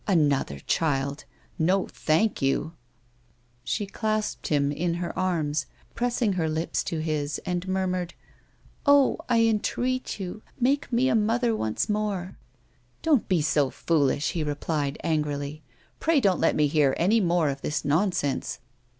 Another child ! No, thank you !" She clasped him in her arms, pressed her lips to his and murmured :" Oh ! I entreat you, make me a mother once more." "Don't be so foolish," he replied, angrily. "Pray don't let me hear any more of this nonsense."